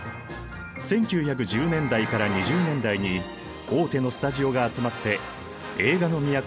１９１０年代から２０年代に大手のスタジオが集まって映画の都